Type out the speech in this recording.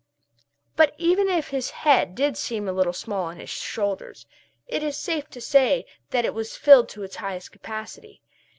But even if his head did seem a little small on his shoulders, it is safe to say that it was filled to its highest capacity.